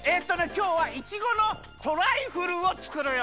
きょうはいちごのトライフルをつくるよ！